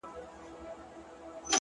خداى دي زما د ژوندون ساز جوړ كه _